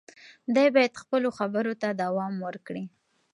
دی باید خپلو خبرو ته دوام ورکړي.